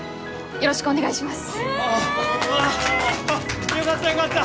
よろしくお願いします。